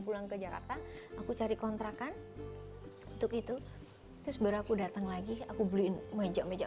pulang ke jakarta aku cari kontrakan untuk itu terus baru aku datang lagi aku beliin meja meja